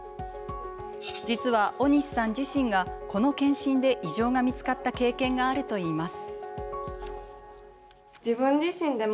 実は、尾西さん自身がこの検診で異常が見つかった経験があるといいます。